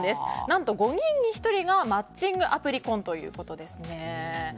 何と５人に１人がマッチングアプリ婚ということで。